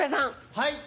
はい。